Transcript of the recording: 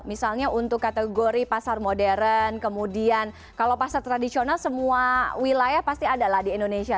misalnya untuk kategori pasar modern kemudian kalau pasar tradisional semua wilayah pasti ada lah di indonesia